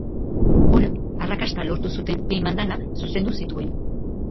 Hor, arrakasta lortu zuten film andana zuzendu zituen.